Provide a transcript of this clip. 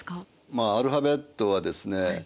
まあアルファベットはですね